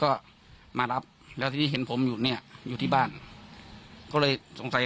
ก็มารับแล้วทีนี้เห็นผมอยู่เนี่ยอยู่ที่บ้านก็เลยสงสัย